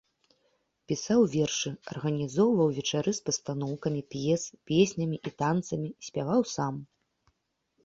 Пісаў вершы, арганізоўваў вечары з пастаноўкамі п'ес, песнямі і танцамі, спяваў сам.